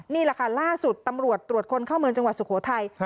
นี่แหละค่ะล่าสุดตำรวจตรวจคนเข้าเมืองจังหวัดสุโขทัย